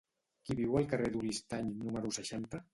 Qui viu al carrer d'Oristany número seixanta?